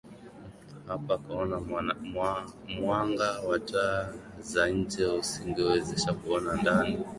Hapo akaona mwanga wa taa za nje usingewezasha kuona ndani